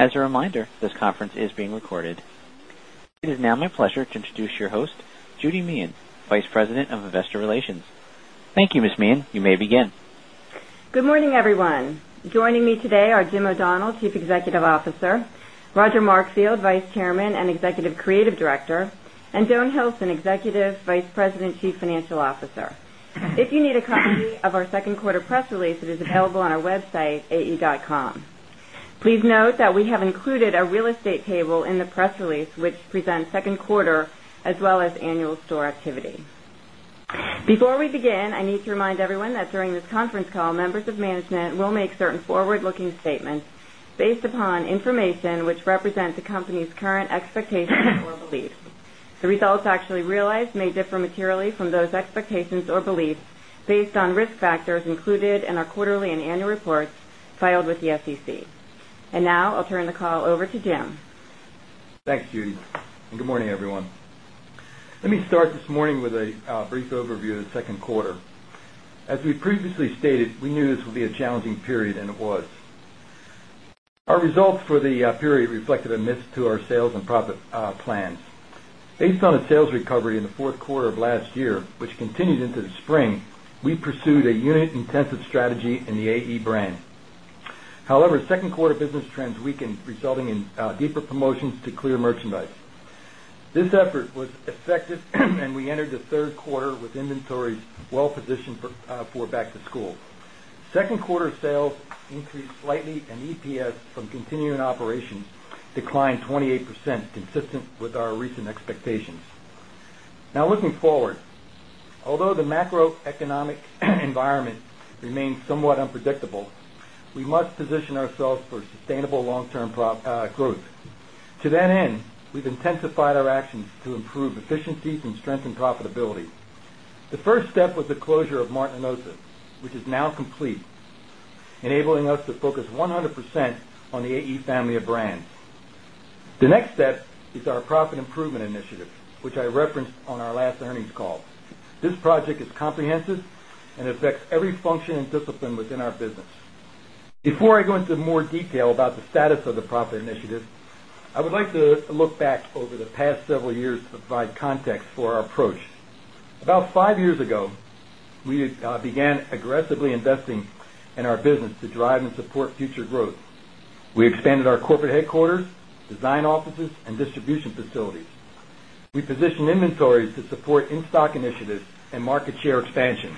As a reminder, this conference is being recorded. It is now my pleasure to introduce your host, Judy Meehan, Vice President of Investor Relations. Thank you, Ms. Meehan. You may begin. Good morning, everyone. Joining me today are Jim O'Donnell, Chief Executive Officer Roger Markfield, Vice Chairman and Executive Creative Director and Joan Hilson, Executive Vice President, Chief Financial Officer. If you need a copy of our Q2 press release, it is available on our website ae.com. Please note that we have included a real estate table in the press release, which presents Q2 as well as annual store activity. Before we begin, I need to remind everyone that during this conference call, members of management will make certain forward looking statements based upon information, which represent the company's current expectations or beliefs. The results actually realized may differ materially from those expectations or beliefs based on risk factors included in our quarterly and annual reports filed with the SEC. And now, I'll turn the call over to Jim. Thanks, Judy, and good morning, everyone. Let me start this morning with a brief overview of the Q2. As we previously stated, we knew this will be a challenging period and it was. Our results for the period reflected a miss to our sales and profit plans. Based on the sales recovery in the Q4 of last year, which continued into the spring, we pursued a unit intensive strategy in the AE brand. However, 2nd quarter business trends weakened resulting in deeper promotions to clear merchandise. This effort was effective and we entered the 3rd quarter with inventories well positioned for back to school. 2nd quarter sales increased slightly and EPS from and EPS from continuing operations declined 28% consistent with our recent expectations. Now looking forward, although the macroeconomic environment remains somewhat unpredictable, we must position ourselves for a sustainable long term growth. To that end, we've intensified our actions to improve efficiencies and strengthen profitability. The first step was the closure of Martin Enosas, which is now complete, enabling us to focus 100% on the AE family of brands. The next step is our profit improvement initiative, which I referenced on our last earnings call. This project is comprehensive and affects every function and discipline within our business. Before I go into more detail about the status of the profit initiative, I would like to look back over the past several years to provide context for our approach. About 5 years ago, we began aggressively investing in our business to drive and support future growth. We expanded our corporate headquarters, design offices and distribution facilities. We position inventories to support in stock initiatives and market share expansion.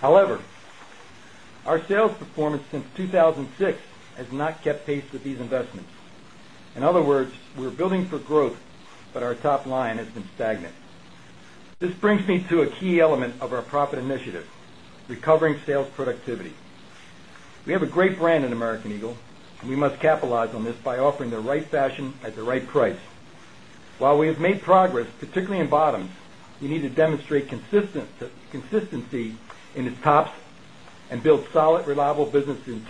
However, our sales performance since 2,006 has not kept pace with these investments. In other words, we're building for growth, but our top must capitalize on this by offering the right fashion at the right price. We must capitalize on this by offering the right fashion at the right price. While we have made progress, particularly in bottoms, we need to demonstrate consistency in its tops and build solid reliable businesses.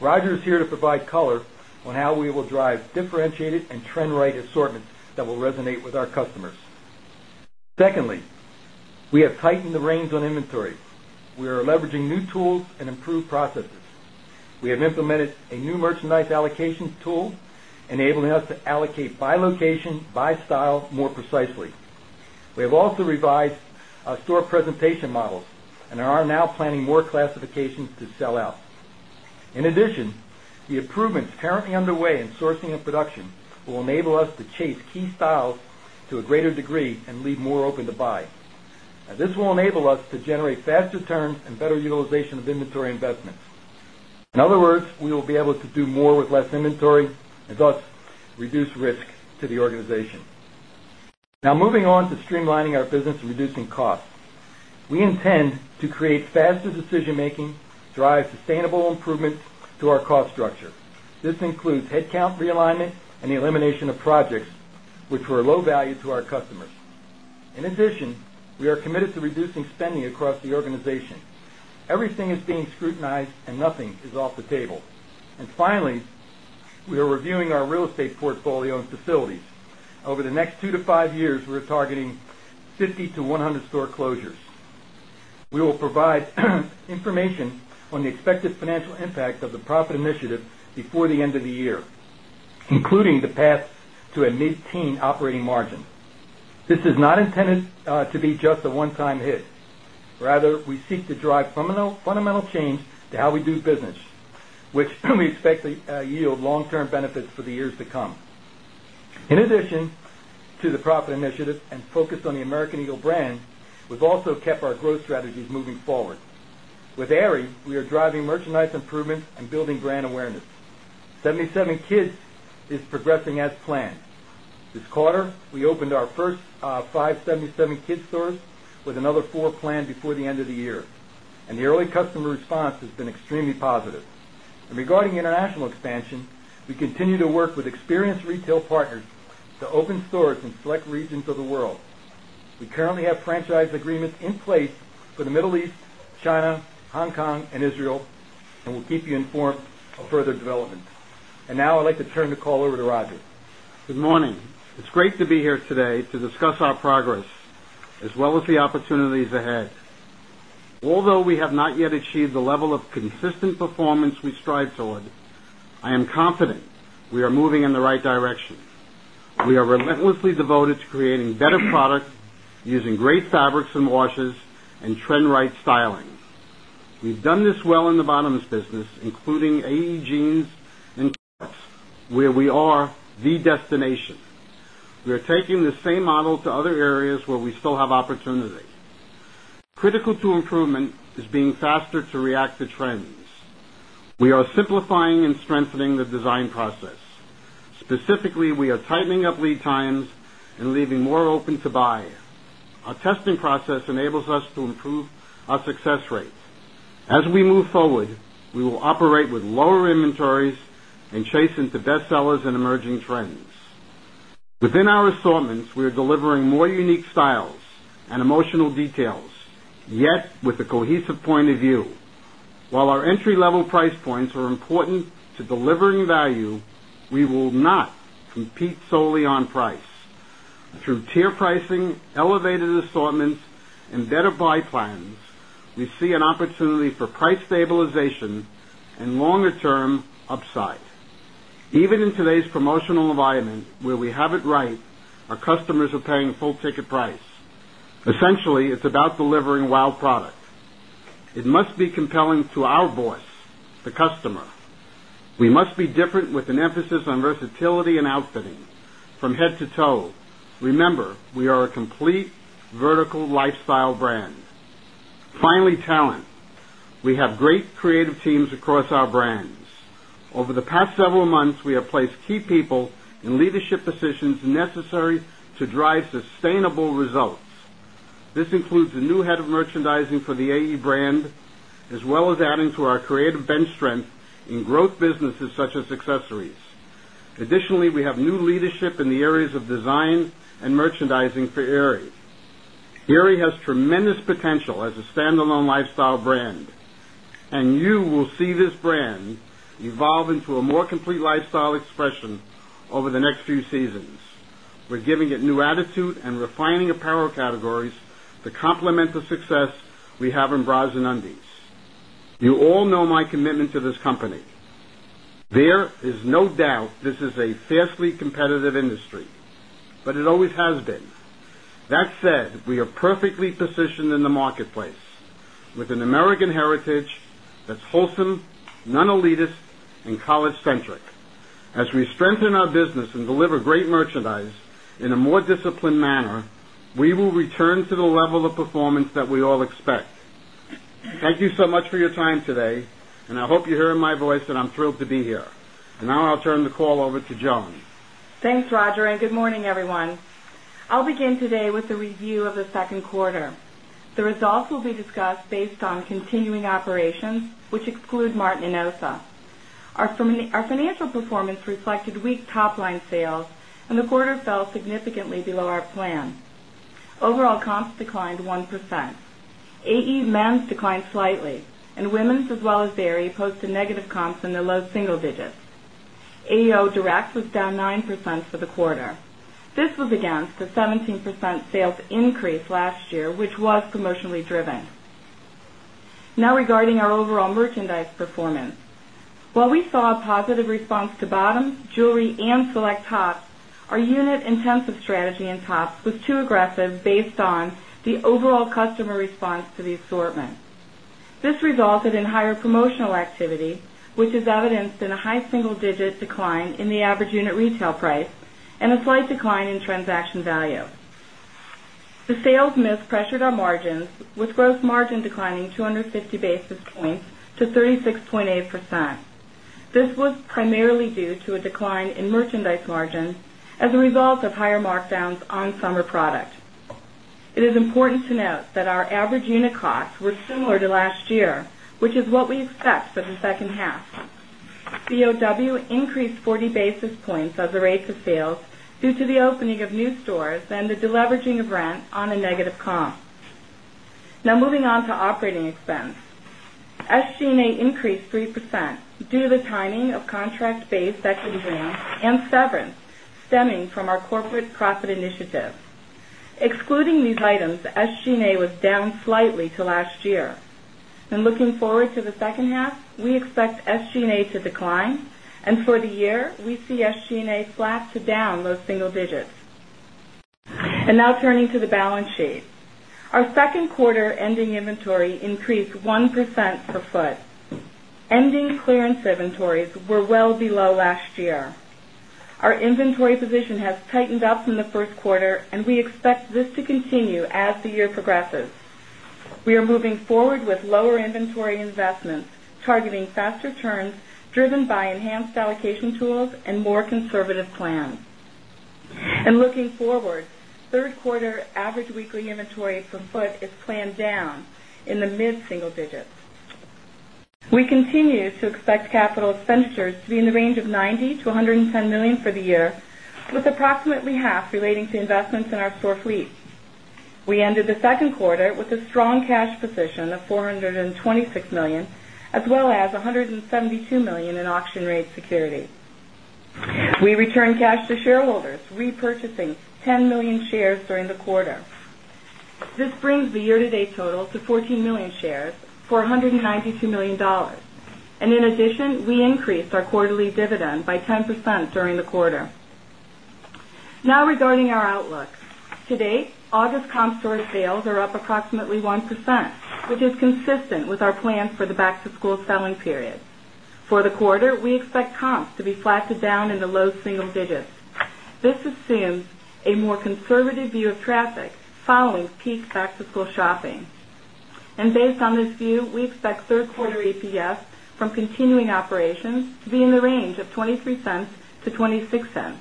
Roger is here to provide color on how we will drive differentiated and trend right assortments that will resonate with our customers. Secondly, we have tightened the reins on inventory. We are leveraging new tools and improved processes. We have implemented a new merchandise allocation tool, enabling us to allocate by location, by style more precisely. We have also revised our store presentation models and are now planning more classifications to sell out. In addition, the improvements currently underway in sourcing and production will enable us to chase key styles to a greater degree and leave more open to buy. This will enable us to generate faster terms and better utilization of inventory investments. In other words, we will be able to do more with less inventory and thus reduce risk to the organization. Now moving on to streamlining our business and reducing costs. We intend to create faster decision making, drive sustainable improvements to our cost structure. This includes headcount realignment and the elimination of projects, which were low value to our customers. In addition, we are committed to reducing spending across the organization. Everything is being scrutinized and nothing is off the table. And finally, we are reviewing our real estate portfolio and facilities. Over the next 2 to 5 years, we're targeting 50 to 100 store closures. We will provide information on the expected financial impact of the profit initiative before the end of the year, including the path to a mid teen operating margin. This is intended to be just a one time hit, rather we seek to drive fundamental change to how we do business, which we expect to yield long term benefits for the years to come. In addition to the profit initiative and focus on the American Eagle brand, we've also kept our growth strategies moving forward. With Aerie, we are driving merchandise improvements and building brand awareness. 77 Kids is progressing as planned. This we opened our first 5 77 Kids stores with another 4 planned before the end of the year. And the early customer response has been extremely positive. And regarding international expansion, we continue to work with experienced retail partners to open stores in select regions of the world. We currently have franchise agreements in place for the Middle East, China, Hong Kong and Israel and we'll keep you informed of further development. And now I'd like to turn the call over to Roger. Good morning. It's great to be here today to discuss our progress as well as the opportunities ahead. Although we have not yet achieved the level of consistent performance we strive toward, I am confident we are moving in the right direction. We are relentlessly devoted to creating better product using great fabrics and washes and trend right styling. We've done this well in the bottoms business including AE Jeans and where we are the destination. We are taking the same model to other areas where we still have opportunity. Critical to improvement is being faster to react to trends. We are simplifying and strengthening the design process. Specifically, we are tightening up lead times and leaving more open to buy. Our testing process enables us to improve our success rate. As we move forward, we will operate with lower inventories and chase into bestsellers and emerging trends. Within our assortments, we are delivering more unique styles and emotional details, yet with a cohesive point of view. While our entry level price points are important to delivering value, we will not compete solely on price. Through tier pricing, elevated tier pricing, elevated assortments and better buy plans, we see an opportunity for price stabilization and longer term upside. Even in today's promotional environment where we have it right, our customers are paying full ticket price. Essentially, it's about delivering Wow product. It must be compelling to our voice, the customer. We must be different with an emphasis on versatility and outfitting from head to toe. Remember, we are a complete vertical lifestyle brand. Finally, talent. We have great creative teams across our brands. Over the past several months, we have placed key people in leadership positions necessary to drive sustainable results. This includes the new Head of Merchandising for the AE brand as well as adding to our creative bench strength in growth businesses such as accessories. Additionally, we have new leadership in the areas of design and merchandising for Aerie. Aerie has tremendous potential as a standalone lifestyle brand and you will see this brand evolve into a more complete lifestyle expression over the next few seasons. We're giving it new attitude and refining apparel categories to complement the success we have in bras and undies. You all know my commitment to this company. There is no doubt this is a vastly competitive industry, but it always has been. That said, we are perfectly positioned in the marketplace with an American heritage that's wholesome, non elitist and college centric. As we strengthen our business and deliver great merchandise in a more disciplined manner, we will return to the level of performance that we all expect. Thank you so much for your time today. And I hope you're hearing my voice I'm thrilled to be here. And now I'll turn the call over to Joan. Thanks, Roger, and good morning, everyone. I'll begin today with a review of the Q2. The results will be discussed based on continuing operations, which excludes Martin Enosa. Our financial performance reflected weak top line sales and the quarter fell significantly below our plan. Overall comps declined 1%. AE men's declined slightly and women's as well as Berry posted negative comps in the low single digits. AEO direct was down 9% for the quarter. This was against a 17% sales increase last year, which was commercially driven. Now regarding our overall was commercially driven. Now regarding our overall merchandise performance. While we saw a positive response to bottoms, jewelry and select tops, our unit intensive strategy in tops was too aggressive based on the overall customer response to the assortment. This resulted in higher promotional activity, which is evidenced in a high single digit decline in the average unit retail price and a slight decline in transaction value. The sales mix pressured our margins with gross margin declining 250 basis points to 36.8%. This was primarily due to a decline in merchandise margins as a result of higher markdowns on summer product. It is important to note that our average unit costs were similar to last year, which is what we expect for the second half. BOW increased 40 basis points as a rate of sales due to the opening of new stores and the deleveraging of rent on a negative comp. Now moving on to operating expense. SG and A increased 3% due to the timing of contract based equity grants and severance stemming from our corporate profit initiative. Excluding these items, SG and A was down slightly to last year. And looking forward to the second half, we expect SG and A to decline. And for the year, we see SG and A flat to down low single digits. And now turning to the balance sheet. Our second quarter ending inventory increased 1% per foot. Ending clearance inventories were well below last year. Our inventory position has tightened up in the Q1 and we expect this to continue as the year year progresses. We are moving forward with lower inventory investments targeting faster turns driven by enhanced allocation tools and more conservative plans. And looking forward, 3rd quarter average weekly inventory per foot is planned down in the mid single digits. We continue to expect capital expenditures to be in the range of $90,000,000 to $110,000,000 for the year with approximately half relating to investments in our store fleet. We ended the 2nd quarter with a strong cash position of $426,000,000 as well as $172,000,000 in auction rate security. We returned cash to shareholders repurchasing 10,000,000 shares during the quarter. This brings the year to date total to 14,000,000 shares for $192,000,000 And in addition, we increased our quarterly dividend by 10% during the quarter. Now regarding our outlook. To date, August comp store sales are up approximately 1%, which is consistent with our plans for the back to school selling period. For the quarter, we expect comps to be flat to down in the low single digits. This assumes a more conservative view of traffic following peak back to school shopping. And based on this view, we expect 3rd quarter EPS from continuing operations to be in the range of $0.23 to 0 point 26 dollars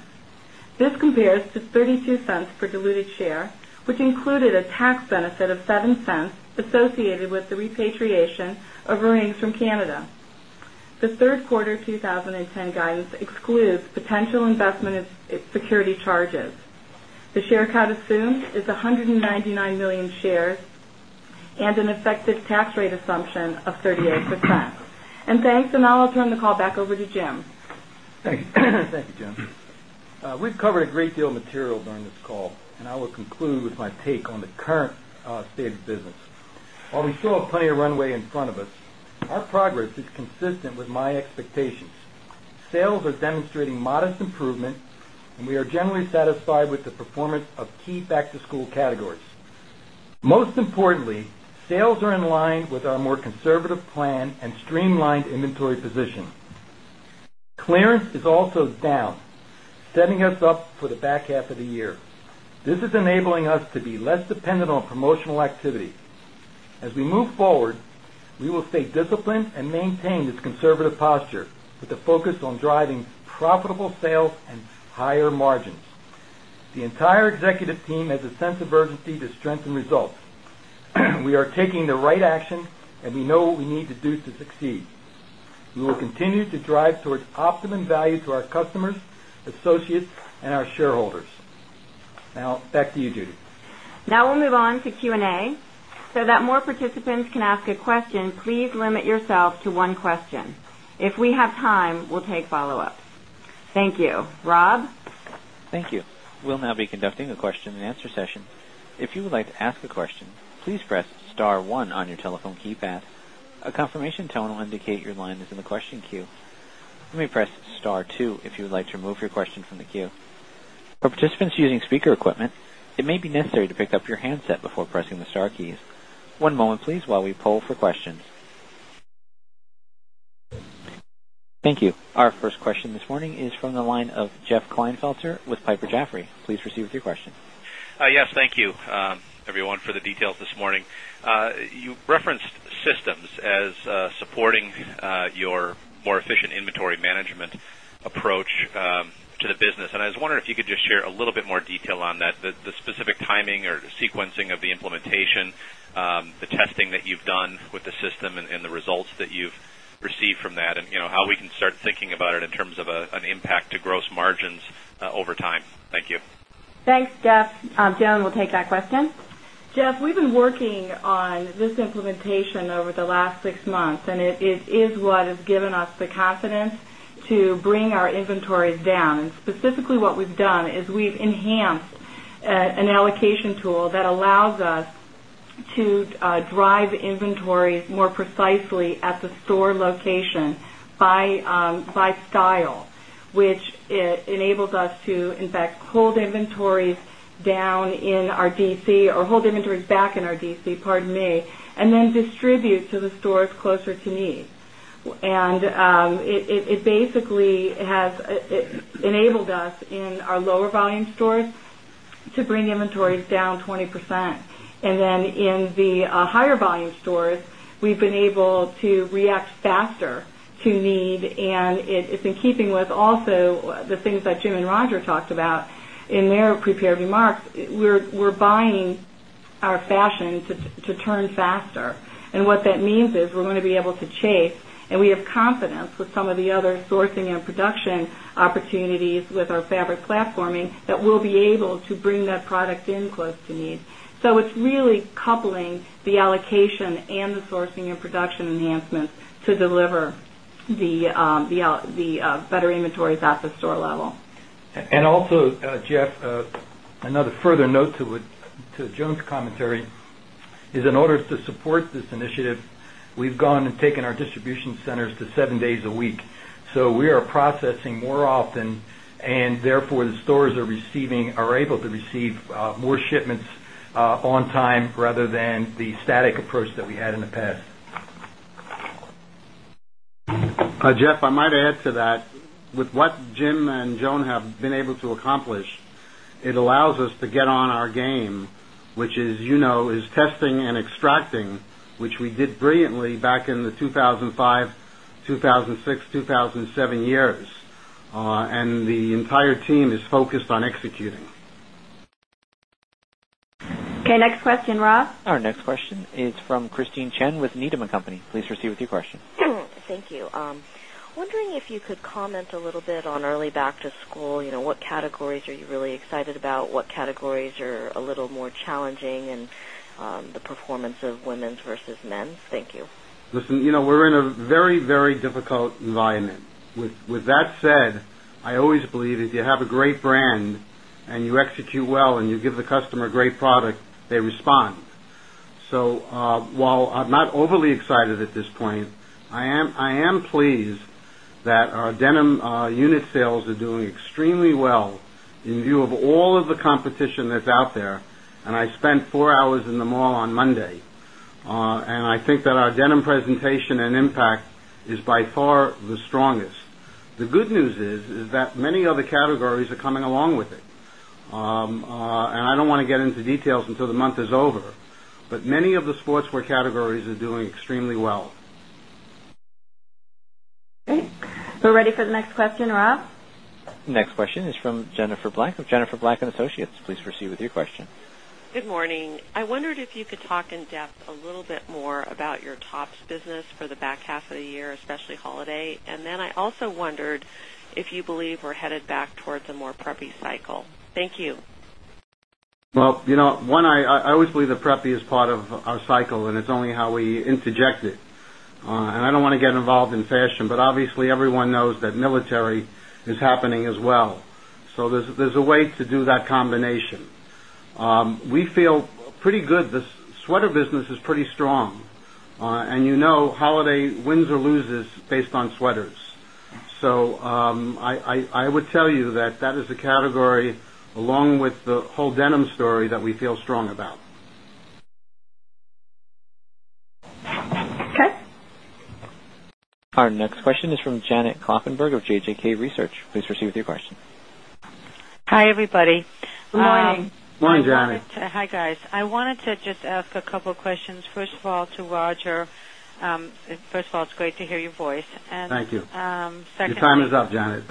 This compares to $0.32 per diluted share, which included a tax benefit of 0 point dollars associated with the repatriation of earnings from Canada. The Q3 twenty ten guidance excludes potential investment security charges. The share count assumed is 190 9,000,000 shares and an effective tax rate assumption of 38%. And thanks and now I'll turn the call back over to Jim. Thank you, Jim. We've covered a great deal of material during this call and I will conclude with my take on the current state of business. While we still have plenty of runway in front of us, our progress is consistent with my expectations. Sales are demonstrating modest improvement and we are generally satisfied with the performance of key back to school categories. Most importantly, sales are in line with our more conservative plan and streamlined inventory position. Clearance is also down, setting us up for the back half of the year. This is enabling us to be less dependent on promotional activity. As we move forward, we will stay disciplined and maintain this conservative posture with a focus on driving profitable sales and higher margins. The entire executive team has a sense of urgency to strengthen results. We are taking the right action and we know what we need to do to succeed. We will continue to drive towards optimum value to our customers, associates and our shareholders. Now back to you, Judy. Now we'll move on to Q and A. So that more participants can ask a question, please limit yourself to one question. If we have time, we'll take follow ups. Thank you. Rob? Thank you. We'll now be conducting a question and answer session. You. Our first question this morning is from the line of Jeff Klinefelter with Piper Jaffray. Please proceed with your question. Yes. Thank you everyone for the details this morning. You referenced systems as supporting your more efficient inventory management approach to the business. And I was wondering if you could just share a little bit more detail on that, the specific timing or sequencing of the implementation, the testing that you've done with the system and the results that you've received from that and how we can start thinking about it in terms of an impact to gross margins over time? Thank you. Thanks, Jeff. Joan will take that question. Jeff, we've been working on this implementation over the last 6 months and it is what has given us the confidence to bring our inventories down. And specifically what we've done is we've enhanced an allocation tool that allows us to drive inventory more precisely at the store location by style, which enables us to in fact hold inventory down in our DC or hold inventories back in our DC pardon me and then distribute to the stores closer to me. And it basically has enabled us in our lower volume stores to bring inventories down 20%. And then in the higher volume stores, we've been able to react faster to need and it's in keeping with also the things that Jim and Roger talked about in their prepared remarks. We're buying our fashion to turn faster. And what that means is we're going to be able to chase and we have confidence with some of the other sourcing and production opportunities with our fabric need. So it's really coupling the allocation and the sourcing and production enhancements to deliver the better inventories at the store level. And also Jeff, another further note to Joan's commentary is in order to support this initiative, we've gone and taken our distribution centers to 7 days a week. So we are processing more often and therefore the stores are receiving are able to receive more shipments on time rather than the static approach that we had in the past. Jeff, I might add to that. With what Jim and Joan have been able to accomplish, it allows us to get on our game, which is and five, 2,006, 2,007 years. And the entire team is focused on executing. Okay. Next question, Rob. Our next question is from Christine Chen with Needham and Company. Please proceed with your question. Thank you. Wondering if you could comment a little bit on early back to school. What categories are you really excited about? What categories are a little more challenging and the performance of women's versus men's? Thank you. Listen, we're in a very, very difficult environment. With that said, I always believe if you have a great brand and you execute well and you give the customer great product, they respond. So, while I'm not overly excited at this point, I am pleased that our denim unit sales are doing extremely well in view of all of the competition that's out there. And I spent 4 hours in the mall on Monday. And I think that our denim presentation and impact is by far the strongest. The good news is that many other categories are coming along with it. And I don't want to get into details until the month is over. But many of the sportswear categories are doing extremely well. Okay. We're ready for the next question, Rob. Next question is from Jennifer Black of Jennifer Black and Associates. Please proceed with your question. Good morning. I wondered if you could talk in-depth a little bit more about your tops business for the back half of the year, especially holiday? And then I also wondered if you believe we're headed back towards a more preppy cycle? Thank you. Well, one, I always believe that preppy is part of our cycle and it's only how we interject it. And I don't want to get involved in fashion, but obviously everyone knows that military is happening as well. So there's a way to do that combination. We feel pretty good. The sweater business is pretty strong. And you know holiday wins or loses based on sweaters. So I would tell you that that is a category along with the whole denim story that we feel strong about. Okay. Our next question is from Janet Kloppenburg of JJK Research. Please proceed with your question. Hi, everybody. Good morning. Good morning, Janet. Hi, guys. I wanted to just ask a couple of questions. First of all, to Roger, first of all, it's great to hear your voice. Thank you. Your is up, Janet.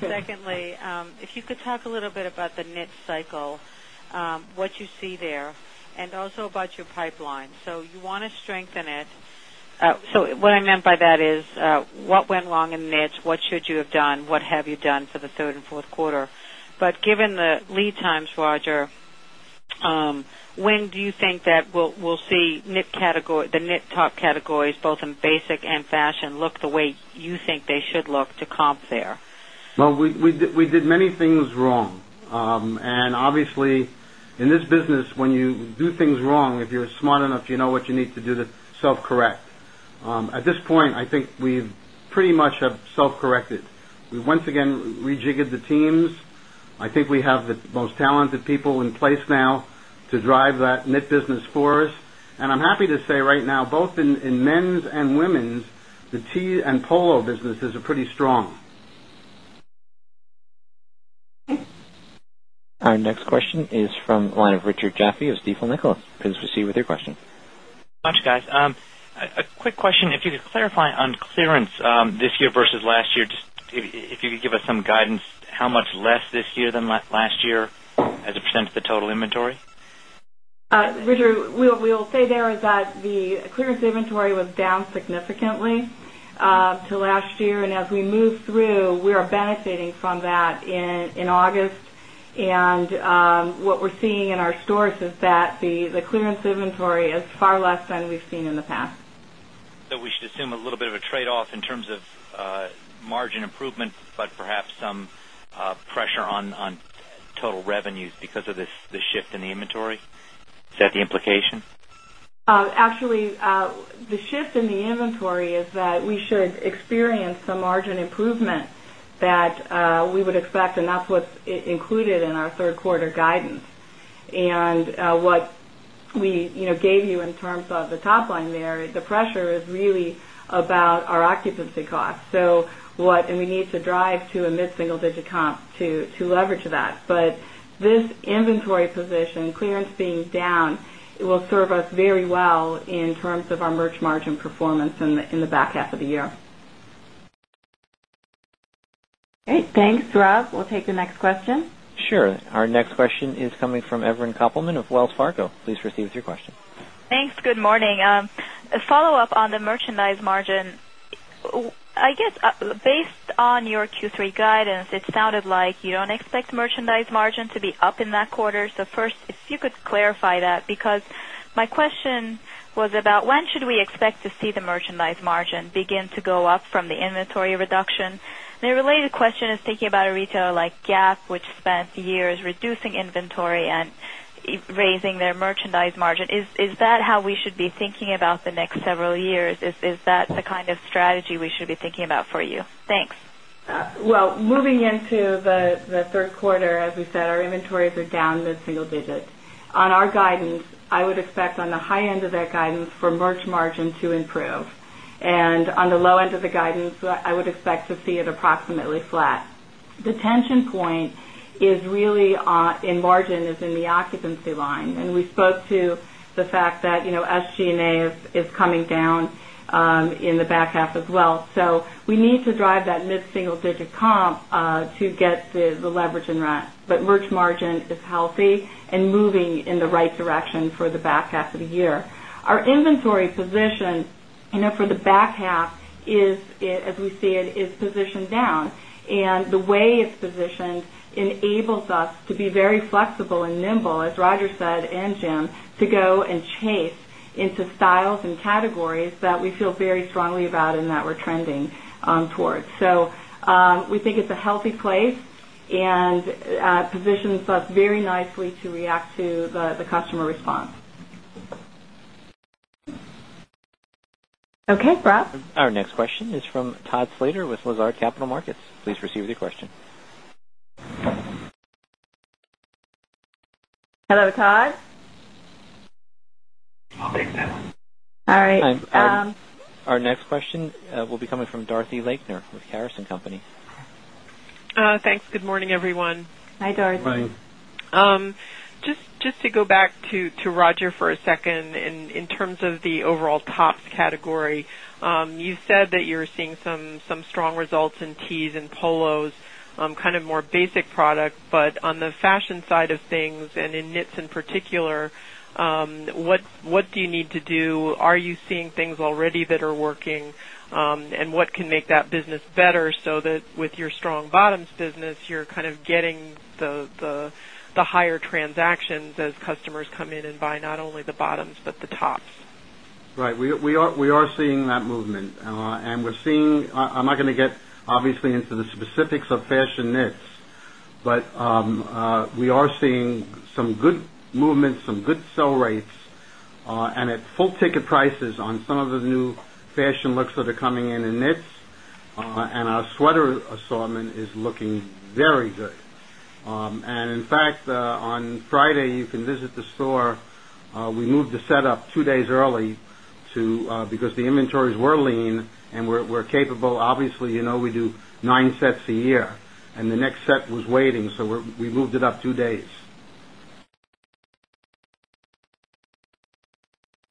Secondly, if you could talk a little bit about the niche cycle, what you see there and also about your pipeline. So you want to strengthen it. So what I meant by that is what went wrong in knits? What should you have done? What have you done for the 3rd Q4? But given the lead times, Roger, when do you think that we'll see knit category the knit top categories both in basic and fashion look the way you think they should look to comp there? Well, we did many things wrong. And obviously, in this business when you do things wrong, if you're smart enough, you know what you need to do to self correct. At this point, I think we've pretty much have self corrected. We once again rejiggered the teams. I think we have the most talented people in place now to drive that knit business for us. And I'm happy to say right now both in men's and women's, the tea and polo businesses are pretty strong. Our next question is from the line of Richard Jaffe of Stifel Nicola. Please proceed with your question. Thanks, guys. A quick question, if you could clarify on clearance this year versus last year, just if you could give us some guidance how much less this year than last year as a percent of the total inventory? Richard, we will say there is that the clearance inventory was down significantly to last year. And as we move through, we are benefiting from that in August. And what we're seeing in our stores is that the clearance inventory is far less than we've seen in the past. So we should assume a little bit is far less than we've seen in the past. So we should assume a little bit of a trade off in terms of margin improvement, but perhaps some pressure on total revenues because of the shift in the inventory. Is that the implication? Actually, the shift in the inventory is that we should experience some margin improvement that we would expect and that's what's included in our Q3 guidance. And what we gave you in terms of the top line there, the pressure is really about our occupancy costs. So what and we need to drive to a mid single digit comp to leverage that. But this inventory position, clearance being down, it will serve us very well in terms of our merch margin performance in the back half of the year. Thanks, Rob. We'll take the next question. Sure. Our next question is coming from Evelyn Koppelman of Wells Fargo. Please proceed with your question. Thanks. Good morning. A follow-up on the merchandise margin. I guess based on your Q3 guidance, it sounded like you don't expect merchandise margin to be up in that quarter. So first, if you could clarify that, because my question was about when should we expect to see the merchandise margin begin to go up from the inventory reduction? And the related question is thinking about a retailer like Gap, which spent years reducing inventory and raising their merchandise margin. Is that how we should be thinking about the next several years? Is that the kind of strategy we should be thinking about for you? Thanks. Well, moving into the Q3, as we said, our inventories are down mid single digit. On our guidance, I would expect on the high end of that guidance for merch margin to improve. And on the low end of the guidance, I would expect to see it approximately flat. Detention point is really in margin is in the occupancy line. And we spoke to the fact that SG and A is coming down in the back half as well. So we need to drive that mid single digit comp to get the leverage in rent, but merch margin is healthy and moving in the right direction for the back half of the year. Our inventory position for the back half is as we see it is positioned down. And the way it's positioned enables us to down. And the way it's positioned enables us to be very flexible and nimble as Roger said and Jim to go and chase into styles and categories that we feel very strongly about in that we're trending towards. So we think it's a healthy place and positions us very nicely to react to the customer response. Okay, Rob. Our next question is from Todd Slater with Lazard Capital Markets. Please proceed with your question. Hello, Todd. All right. Our next question will be coming from Dorothy Lachner with Harris and Company. Thanks. Good morning, everyone. Hi, Dorothy. Good morning. Just to go back to Roger for a second. In terms of the overall tops category, you said that you're seeing some strong results in tees and polos, kind of more basic product. But on the fashion side of things and in knits in particular, what do you need to do? Are you seeing things already that are working? And what can make that business better so that with your strong bottoms business, you're kind of getting the higher transactions as customers come in and buy not only the bottoms, but the tops? Right. We are seeing that movement. And we're seeing I'm not going to get obviously into the specifics of fashion knits, but we are seeing some good movements, some good sell rates and at full ticket prices on some of the new fashion looks that are coming in knits and our sweater assortment is looking very good. And in fact, on Friday, you can visit the store. We moved the set up 2 days early to because the inventories were lean and we're capable obviously, we do 9 sets a year and the next set was waiting. So we moved it up 2 days.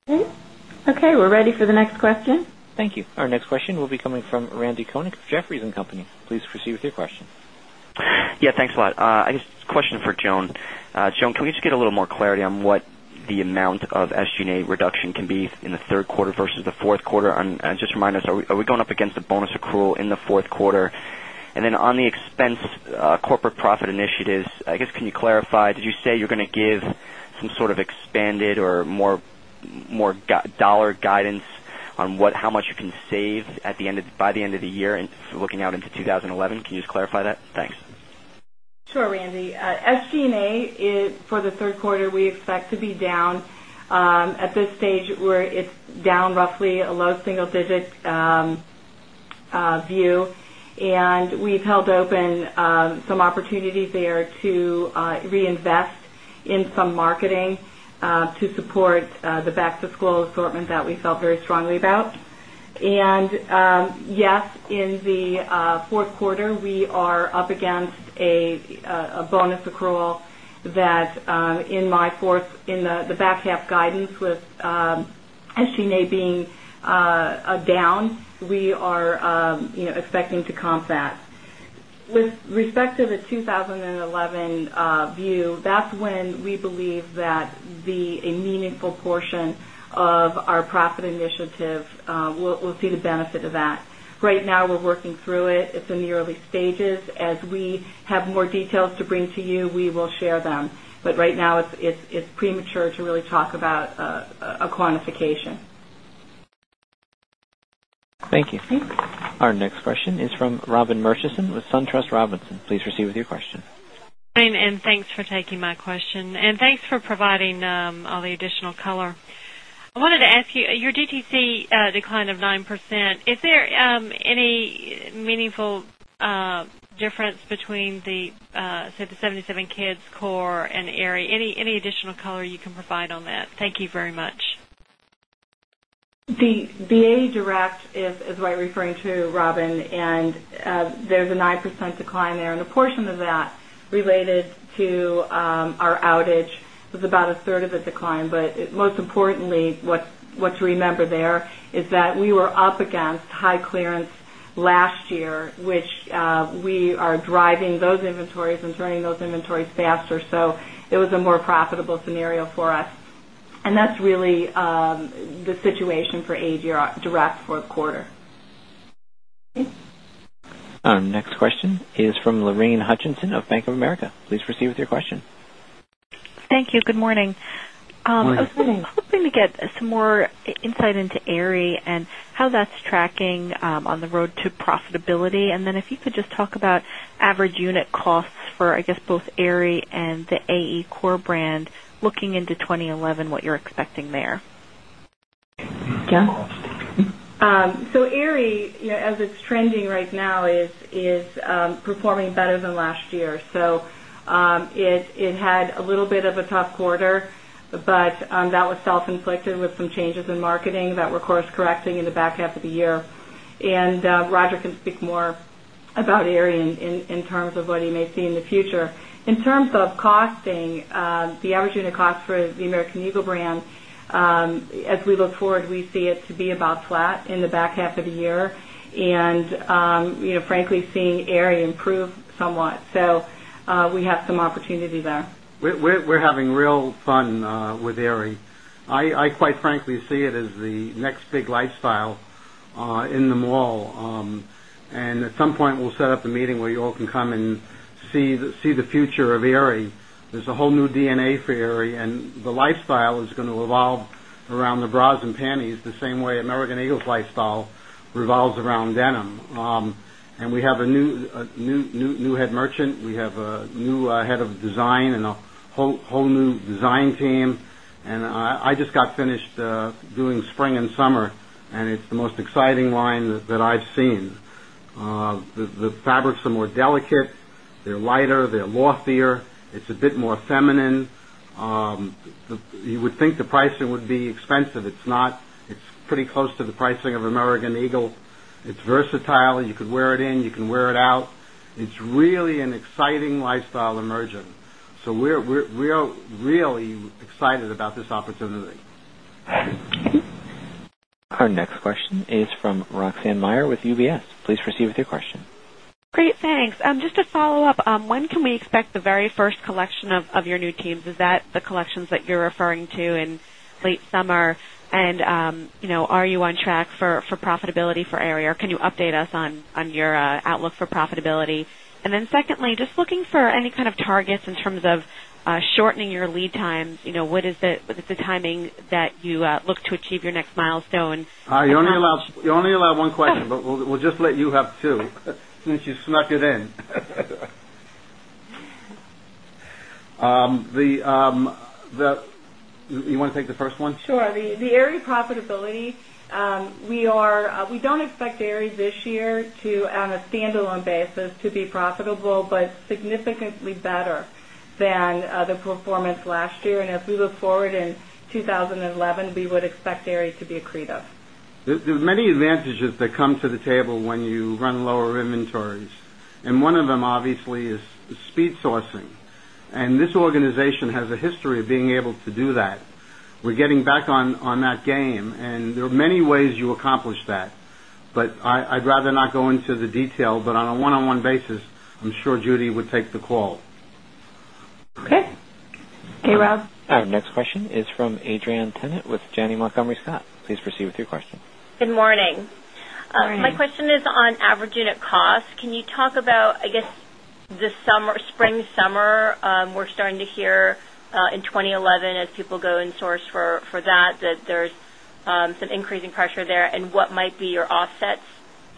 Okay. We're ready for the next question. Thank you. Our next question will be coming from Randy Konik of Jefferies and Company. Please proceed with your question. Yes. Thanks a lot. I guess, a question for Joan. Joan, can we just get a little more clarity on what the amount of SG and A reduction can be in the Q3 versus the Q4? And just remind us, are we going up against the bonus accrual in the Q4? And then on the expense corporate profit initiatives, I guess, can you clarify, did you say you're going to give some sort of expanded or more dollar guidance on what how much you can save at the end of by the end of the year and looking out into 2011, can you just clarify that? Thanks. Sure, Randy. SG and A for the Q3 we expect to be down. At this stage it's down roughly a low single digit view and we've held open some opportunities there to reinvest in some marketing to support the back to school assortment that we felt very strongly about. And yes, in the 4th quarter, we are up against a bonus accrual that in my 4th in the back half guidance with SG and A being down, we are expecting to comp that. With respect to the 2011 view, that's when we believe that the meaningful portion of our profit initiative will see the benefit of that. Right now, we're working through it. It's in the early stages. As we have more details to bring to you, we will share them. But right now, it's premature to really talk about a quantification. Thank you. Our next question is from Robin Murchison with SunTrust Robinson. Please proceed with your question. Thanks for taking my question. And thanks for providing all the additional color. I wanted to ask you, your DTC decline of 9%, is there any meaningful difference between the, say, the 77 Kids core and Aerie? Any additional color you can provide on that? Thank you very much. The BA direct is what I'm referring to Robin and there's a 9% decline there and a portion of that related to our outage was about a third of the decline. But most importantly, what to remember there is that we were up against high clearance last year, which we are driving those inventories and turning those inventories faster. So it was a more profitable scenario for us. And that's really the situation for ADR Direct Q4. Our next question is from Lorraine Hutchinson of Bank of America. Please proceed with your question. Thank you. Good morning. Good morning. I was hoping to get some more insight into Aerie and how that's tracking on the road to profitability. And then if you could just talk about average unit costs for, I guess, both Aerie and the AE core brand looking into 2011 what you're expecting there? Jan? So Aerie as it's trending right now is performing better than last year. So it had a little bit of a tough quarter, but that was self inflicted with some changes in marketing that were course correcting in the back half of the year. And Roger can speak more about Aerie in terms of what he may see in the future. In terms of costing, the average unit cost for the American Eagle brand, as we look forward, we see it to be about flat in the back half of the year and frankly seeing Aerie improve somewhat. So we have some opportunity there. We're having real fun with Aerie. I quite frankly see it as the next big lifestyle in the mall. And at some point we'll set up a meeting where you all can come and see the future of Aerie. There's a whole new DNA for Aerie and the lifestyle is going to evolve around the bras and panties the same way American Eagle's lifestyle revolves around denim. And we have a new head merchant. We have a new head of design and a whole new design team. And I just got finished doing spring summer and it's the most exciting line that I've seen. The fabrics are more delicate. They're lighter. They're loftier. It's a bit more feminine. You would think the pricing would be expensive. It's not it's pretty close to the pricing of American Eagle. It's versatile. You could wear it in. You can wear it out. It's really an exciting lifestyle emergent. So we are really excited about this opportunity. Our next question is from Roxanne with UBS. Please proceed with your question. Great, thanks. Just a follow-up, when can we expect the very first collection of your new teams? Is that the collections that you're referring to in late summer? And are you on track for profitability for Areore? Can you update us on your outlook for profitability? And then secondly, just looking for any kind of targets in terms of shortening your lead times, what is the timing that you look to achieve your next milestone? You only allow one question, but we'll just let you have 2 since you snuck it in. You want to take the first one? Sure. The Aerie profitability, we are we don't expect Aerie this year to on a standalone basis to be profitable, but significantly better than the performance last year. And as we look forward in 20 11, we would expect Ares to be accretive. There are many advantages that come to the table when you run lower inventories. And one of them obviously is speed sourcing. And this organization has a history of being able to do that. We're getting back on that game and there are many ways you accomplish that. But I'd rather not go into the detail, but on a 1 on 1 basis, I'm sure Judy would take the call. Okay. Okay, Rob. Our next question is from Adrienne Tennant with Janney Montgomery Scott. Please proceed with your question. Good morning. Good morning. My question is on average unit cost. Can you talk about, I guess, the summer spring summer, we're starting to hear in 2011 as people go and source for that that there's some increasing pressure there and what might be your offsets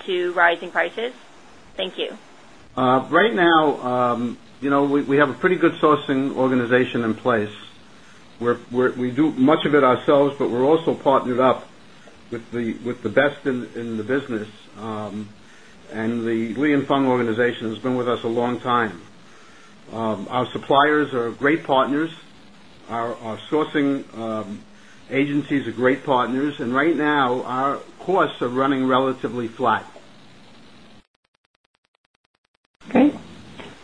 to rising prices? Thank you. Right now, we have a pretty good sourcing organization in place. We do much of it ourselves, but we're also partnered up with the best in the business. And the Li and Fung organization has been with us a long time. Our suppliers are great partners. Our sourcing agencies are great partners. And right now, our costs are running relatively flat. Okay.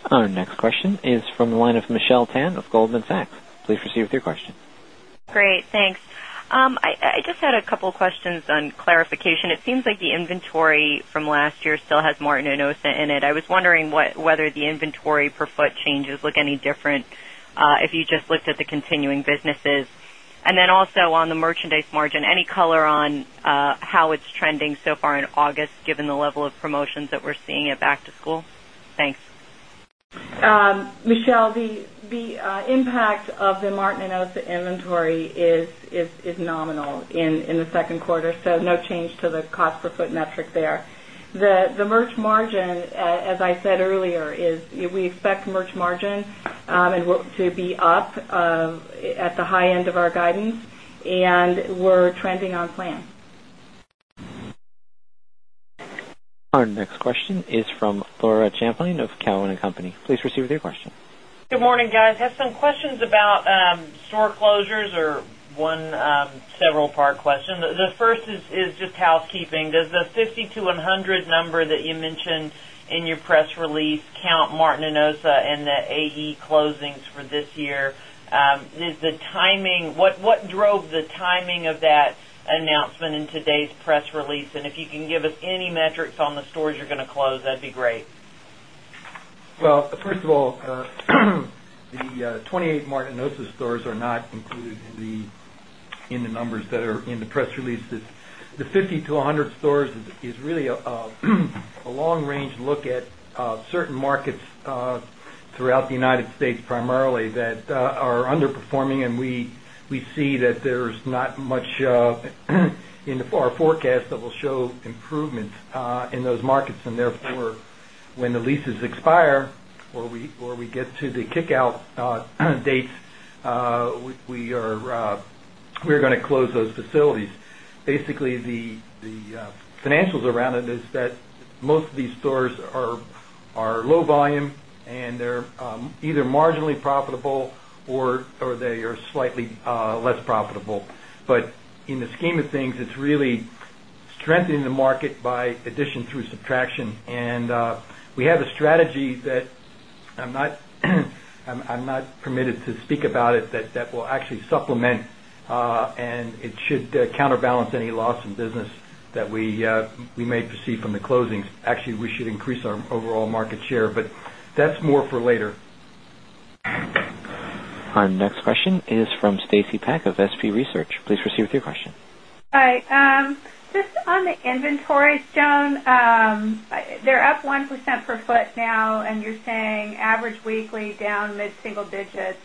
Our next question is from the line of Michelle Tan of Goldman Sachs. Please proceed with your question. Great. Thanks. I just had a couple of questions on clarification. It seems like the inventory from last year still has Martin and Osa in it. I was wondering whether the inventory per foot changes look any different if you just looked at the continuing businesses? And then also on the merchandise margin, any color on how it's trending so far in August given the level of promotions that we're seeing at back to school? Thanks. Michelle, the impact of the Martin and Osa inventory is nominal in the Q2. So no change to the cost per foot metric there. The merch margin as I said earlier is we expect merch margin to be up at the high end of our guidance and we're trending on plan. Our next question is from Laura Champine of Cowen and Company. Please proceed with your question. Good morning, guys. I have some questions about store closures or one several part question. The first is just housekeeping. Does the 50 to 100 number that you mentioned in your press release count Martin Enosa and the AE closings for this year? Is the timing what drove the timing of that announcement in today's press release? And if you can give us any metrics on the stores you're going to close that'd be great. Well, first of all, the 28 Martin Osa stores are not included in the numbers that are in the press release. The 50 to 100 stores is really a long range look at certain markets throughout the United States primarily that are underperforming and we see that there's not much in the our forecast that will show improvements in those markets. And therefore, when the leases expire or we get to the kick out dates, we're going to close those facilities. Basically, the financials around it is that most of these stores are low volume and they're either marginally profitable or they are slightly less profitable. But in the scheme of things, it's really strengthening the market by addition through subtraction. And we have a strategy that I'm not permitted to speak about it that will actually supplement and it should counterbalance any loss in business that we may proceed from the closings. Actually we should increase our overall market share, but that's more for later. Our next question is from Stacy Peck of SP Research. Please proceed with your question. Hi. Just on the inventories, Joan, they're up 1% per foot now and you're saying average weekly down mid single digits.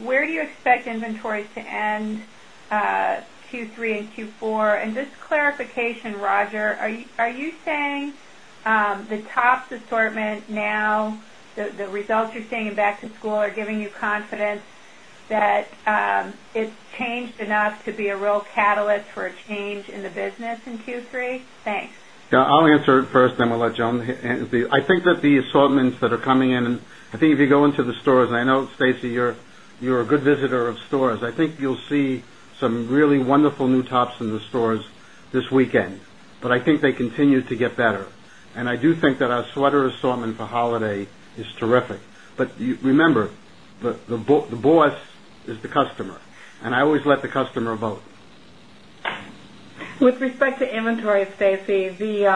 Where do you expect inventories to end Q3 and Q4? And just clarification, Roger, are you saying first, then we'll let Joan answer the. I think that the assortments that are I'll answer it first and then we'll let Joan answer the I think that the assortments that are coming in and I think if you go into the stores and I know Stacy you're a good visitor of stores. I think you'll see some really wonderful new tops in the stores this weekend, But I think they continue to get better. And I do think that our sweater assortment for holiday is terrific. But remember, the boss is the customer. And I always let the customer vote. With respect to inventory, Stacy, the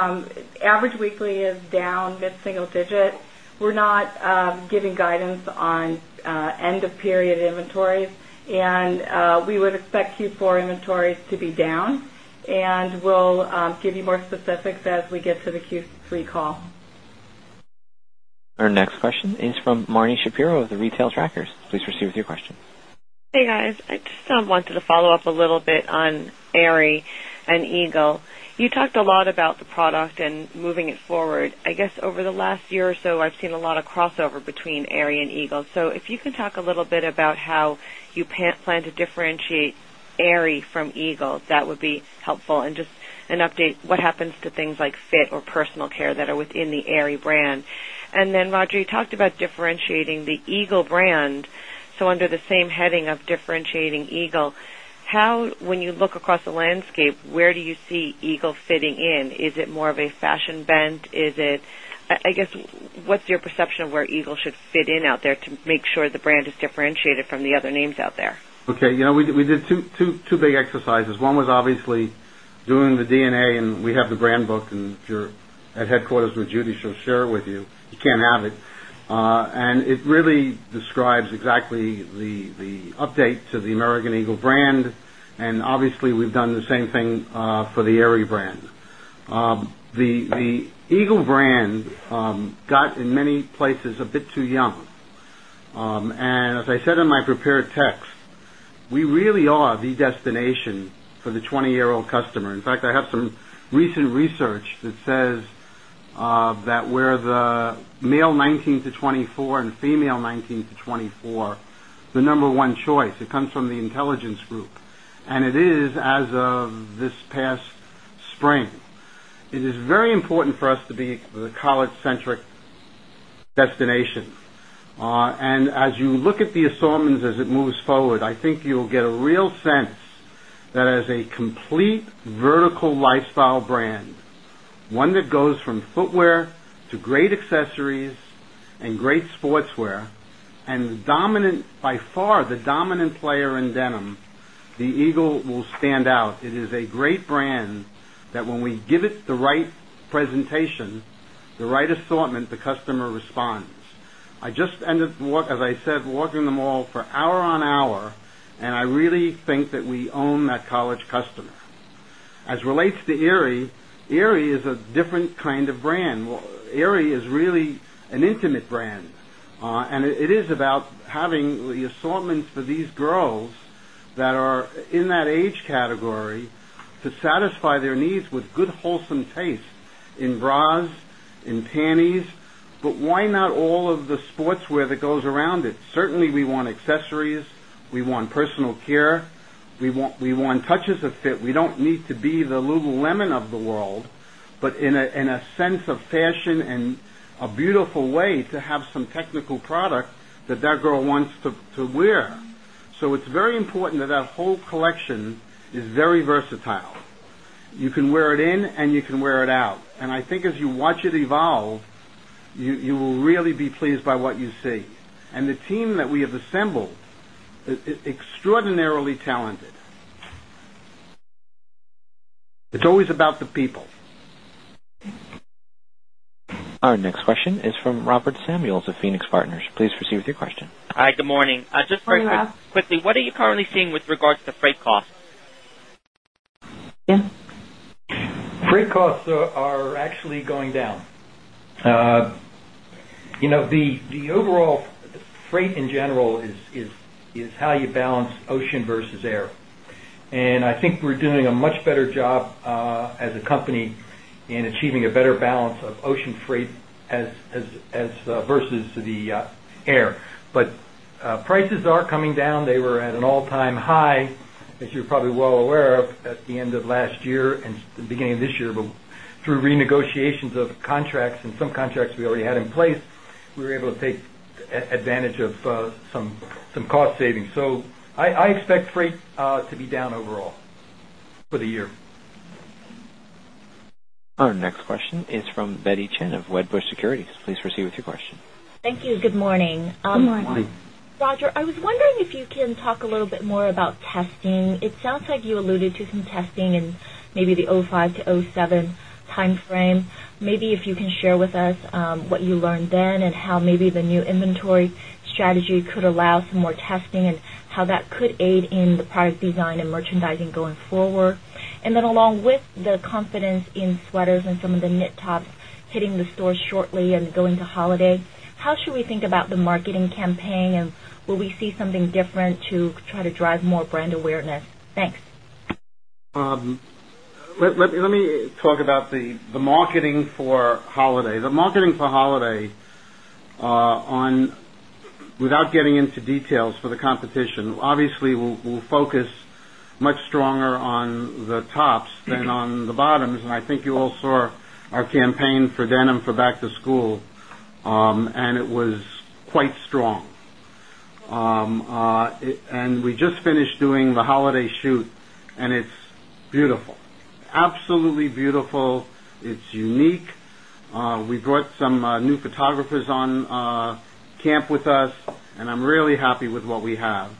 average weekly is down mid single digit. We're not giving guidance on end of period inventories. And we would expect Q4 inventories to be down and we'll give you more specifics as we get to the Q3 call. Our next question is from Marni Shapiro with the Retail Tracker. Please proceed with your question. Hey, guys. I just follow-up a little bit on Aerie and Eagle. You talked a lot about the product and moving it forward. I guess, over the last year or so, I've seen a lot of crossover between Aerie and Eagle. So if you can talk a little bit about how you plan to differentiate Aerie from Eagle, that would be helpful. And just an update what happens to things like fit or personal care that are within the Aerie brand? And then Roger, you talked about differentiating the Eagle brand. So under the same heading of differentiating Eagle, how when you look across the landscape, where do you see Eagle fitting in? Is it more of a fashion bent? Is it I guess, what's your perception of where Eagle should in out there to make sure the brand is differentiated from the other names out there? Okay. We did 2 big exercises. 1 was obviously doing the DNA and we have the brand book and if you're at headquarters with Judy, she'll share it with you. You can't have it. And it really describes exactly the update to the American Eagle brand. And obviously, we've done the same thing for the Aerie brand. The Eagle brand got in many places a bit too young. And as I said in my prepared text, we really are the destination for the 20 year old customer. In fact, I have some recent research that says that where the male 19 to 24 and female 19 to 24, the number one choice, it comes from the intelligence group. And it is as of this past spring. It is very important for us to be the college centric destination. And as you look at the assortments as it moves forward, I think you'll get a real sense that as a complete vertical lifestyle brand, one that goes from footwear to great accessories and great sportswear and the dominant by far the dominant player in denim, the Eagle will stand out. It is a great brand that when we give it the right presentation, the right assortment, the customer responds. I just ended as I said walking them all for hour on hour and I really think that we own that college customer. As it relates to Erie, Erie is a different kind of brand. Erie is really an intimate brand and it is about having the assortments for girls that are in that age category to satisfy their needs with good wholesome taste in bras, in panties, but why not all of the sportswear that goes around it? Certainly, we want accessories, we want personal care. We want touches of fit. We don't need to be the Lululemon of the world, but in a sense of fashion and a beautiful way to have some technical product that that girl wants to wear. So it's very important that that whole collection is very versatile. You can wear it in and you can wear it out. And I think as you watch it evolve, you will really be pleased by what you see. And the team that we have assembled is extraordinarily talented. It's always about the people. Our next question is from Robert Samuels of Phoenix Partners. Please proceed with your question. Hi, good morning. Just quickly, what are you currently seeing with regards to freight costs? Freight costs are actually going down. The overall freight in general is how you balance ocean versus air. And I think we're doing a much better job as a company in achieving a better balance of ocean freight as versus the air. But prices are coming down. They were at an all time high as you're probably well aware of at the end of last year and the beginning of this year. But through renegotiations of contracts and some contracts we already had in place, we were able to take advantage of some cost savings. So I expect freight to be down overall for the year. Our next question is from Betty Chen of Wedbush Securities. Please proceed with your question. Thank you. Good morning. Good morning. Good morning. Roger, I was wondering if you can talk a little bit more about testing. It sounds like you alluded to some testing in maybe the 2,005 to 2,007 timeframe. Maybe if you can share with us what you learned then and how maybe the new inventory strategy could allow some more testing and how that could aid in the product design and merchandising going forward? And then along with the confidence in sweaters and some of the knit tops hitting the store shortly and going to holiday, how should we think about the marketing campaign? And will we see something different to try to drive more brand awareness? Let me talk about the marketing for holiday. The marketing for holiday on without getting into details for the competition, obviously, we'll focus much stronger on the tops than doing the holiday shoot and it's beautiful, absolutely beautiful. It's unique. We brought some new photographers on camp with us and I'm really happy with what we have.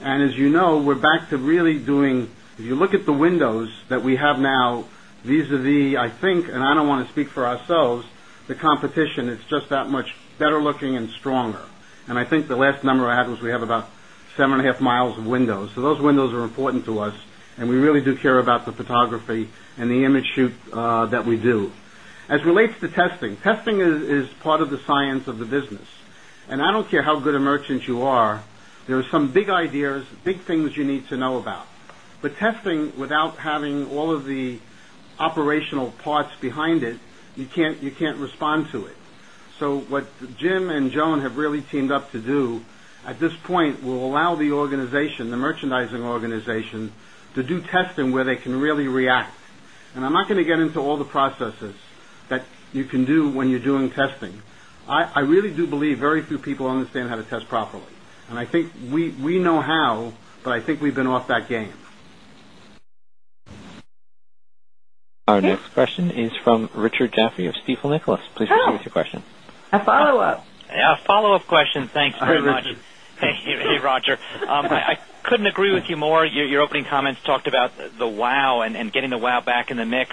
And as you know, we're to really doing if you look at the windows that we have now vis a vis I think and I don't want to speak for ourselves, the competition is just that much better looking and stronger. And I think the last number I had was we have about 7.5 miles of windows. So those windows are important to us and we really do care about the photography and the image shoot that we do. As it relates to testing, testing is part of the science of the business. And I don't care how good a merchant you are, there are some big ideas, big things you need to know about. But testing without having all of the operational parts behind it, you can't respond to it. So what Jim and Joan have really teamed up to do at this point will allow the organization, the merchandising organization to do testing where they can really react. And I'm not going to get into all the processes that you can do when you're doing testing. I really do believe very few people understand how to test properly. And I think we know how, but I think we've been off that game. Our next question is from Richard Jaffray of Stifel Nicolaus. Please proceed with your question. A follow-up. A A follow-up question. Thanks very much. Hey, Roger. I couldn't agree with you more. Your opening comments talked about the wow and getting the wow back in the mix.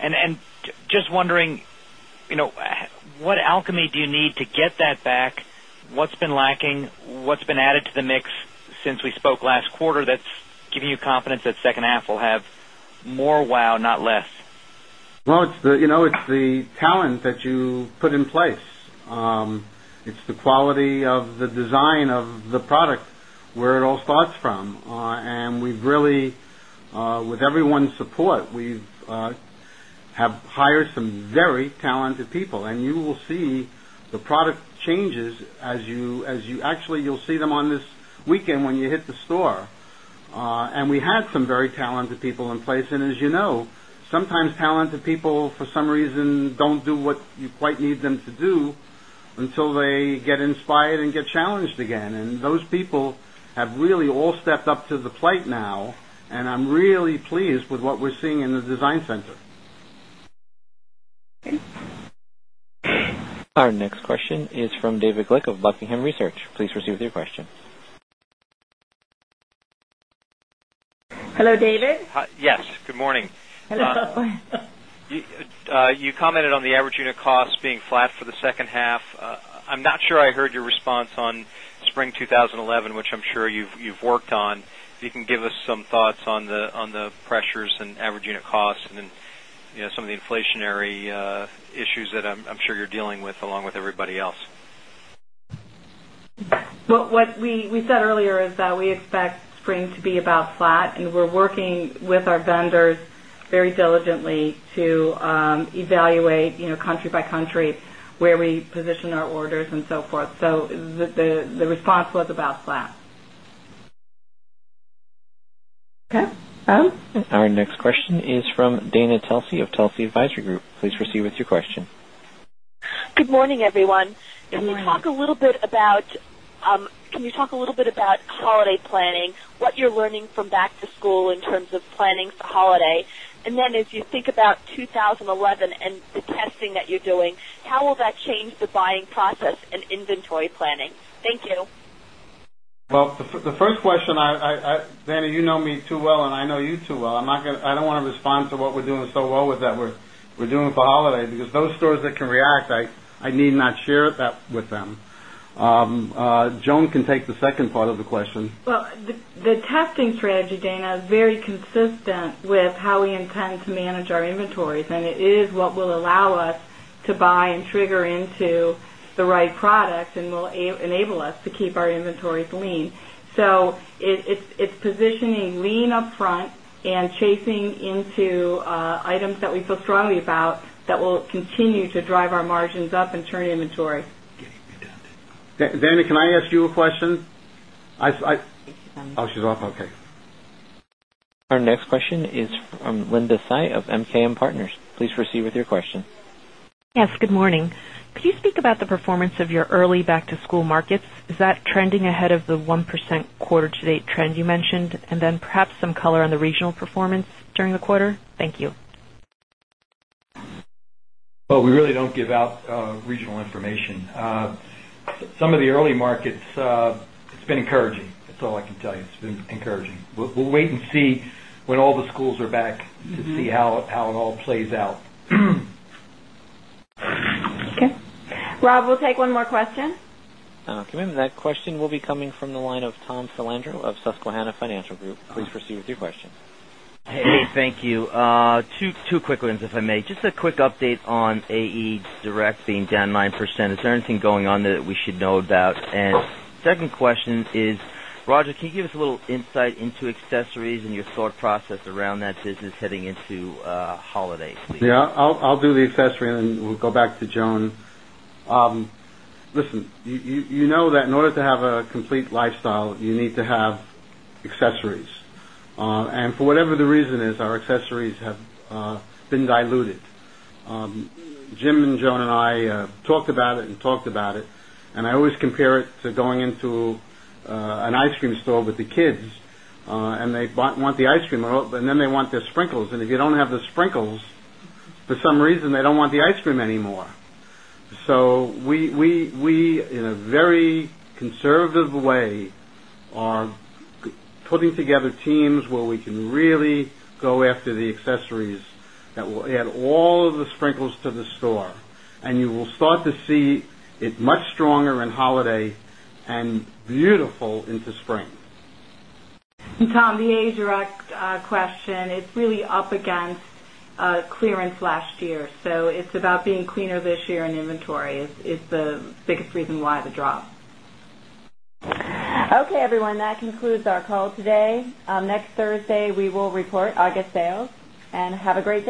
And just wondering what alchemy do you need to get that back? What's been lacking? What's been added to the mix since we spoke last quarter that's giving you confidence that second half will have more Wow! Not less? Well, it's the talent that you put in place. It's the quality of the design of the product where it all starts from. And we've really with everyone's support, we've have hired some very talented people. And you will see the product changes as you actually you'll see them on this weekend when you hit the store. And we had some very talented people in place. And as you know, sometimes talented people for some reason don't do what you quite need them to do until they get inspired and get challenged again. And those people have really all stepped up to the plate now. And I'm really pleased with what we're seeing in the design center. Our next question is from David Glick of Buckingham Research. Please proceed with your question. Hello, David. Yes. Good morning. You commented on the average unit costs being flat for the second half. I'm not sure I heard your response on spring 2011, which I'm sure you've worked on. If you can give us some thoughts on the pressures and average unit costs and then some of the inflationary issues that I'm sure you're dealing with along with everybody else? What we said earlier is that we expect spring to be about flat and we're working with our vendors very diligently to evaluate country by country where we position our orders and so forth. So the response was about flat. Okay. Our next question is from Dana Telsey of Telsey Advisory Group. Please proceed with your question. Good morning, everyone. Can you talk a little bit about holiday planning? What you're learning from back to school in terms of planning for holiday? And then as you think about 2011 and the testing that you're doing, how will that change the buying process and inventory planning? Well, the first question, Vanda, you know me too well and I know you too well. I'm not going to I don't want to respond to what we're doing so well with that we're doing for holiday because those stores that can react, I need not share that with them. Joan can take the second part of the question. Well, the testing strategy, Dana, is very consistent with how we intend to manage our inventories and it is what will allow us to buy and trigger into the right products and will enable us to keep our inventories lean. So it's positioning lean upfront and chasing into items that we feel strongly about that will continue to drive our margins up and turn inventory. Danny, can I ask you a question? Thank you. Oh, she's off. Okay. Our next question is from Tsai of MKM Partners. Please proceed with your question. Yes. Good morning. Could you speak about the performance of your early back to school markets? Is that trending ahead of the 1% quarter to date trend you mentioned? And then perhaps some color on the regional performance during the quarter? Thank you. Well, we really don't give out regional information. Some of the early markets, it's been encouraging. That's all I can tell you. It's been encouraging. We'll wait and see when all the schools are back to see how it all plays out. Okay. Rob, we'll take one more question. Okay. And that question will be coming from the line of Tom Philando of Susquehanna Financial Group. Please proceed with your question. Hey, thank you. 2 quick ones if I may. Just a quick update on AE Direct being down 9%. Is there anything going on that we should know about? And second question is, Roger, can you give us a little insight into accessories and your thought process around that business heading into holiday? Yes, I'll do the accessory and then we'll go back to Joan. Listen, you know that in order to have a complete lifestyle, you need to have accessories. And for whatever the reason is, our accessories have been diluted. Jim and Joan and I talked about it and talked about it. And I always compare it to going into an ice cream store with the kids and they bought want the ice cream and then they want their sprinkles. And if you don't have the sprinkles, for some reason, they don't want the ice cream anymore. So we, in a very conservative way, are putting together teams where we can really go after the accessories that will add all of the sprinkles to the store. And you will start to see it much stronger in holiday and beautiful into spring. Tom, the Asia rec question, it's really up against clearance last year. So it's about being cleaner this year in inventory is the biggest reason why the drop. Okay, everyone. That concludes our call today. Next Thursday, we will report August sales. And have a great day.